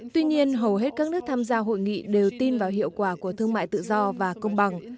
tuy nhiên hầu hết các nước tham gia hội nghị đều tin vào hiệu quả của thương mại tự do và công bằng